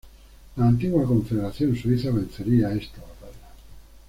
Las Antigua Confederación Suiza vencería esta batalla.